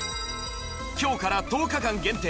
今日から１０日間限定